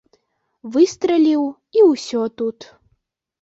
Выстраліў, і ўсё тут.